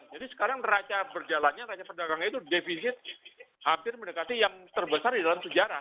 jadi sekarang raca berjalannya raca perdagangnya itu defisit hampir mendekati yang terbesar di dalam sejarah